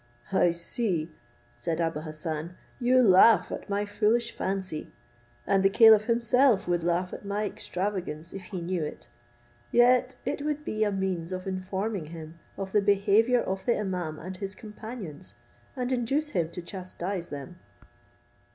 "I see," said Abou Hassan, "you laugh at my foolish fancy, and the caliph himself would laugh at my extravagance if he knew it: yet it would be a means of informing him of the behaviour of the imaum and his companions, and induce him to chastise them."